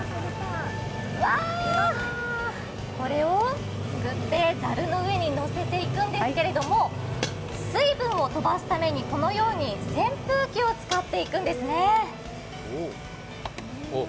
これをすくってざるの上に乗せていくんですけれども、水分を飛ばすために、このように扇風機を使っていくんですね。